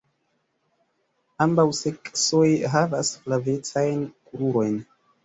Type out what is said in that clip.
Ambaŭ seksoj havas flavecajn krurojn.